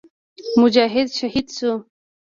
مجاهد شهید شو.